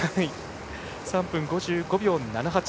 ３分５５秒７８。